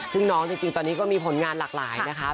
ซึ่งน้องจริงตอนนี้ก็มีผลงานหลากหลายนะคะ